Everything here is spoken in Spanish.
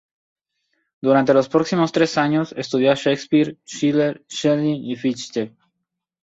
Durante los próximos tres años estudió a Shakespeare, Schiller, Schelling y Fichte.